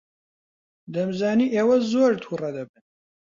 دەمزانی ئێوە زۆر تووڕە دەبن.